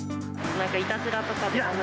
なんかいたずらとかではない？